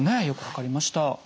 よく分かりました。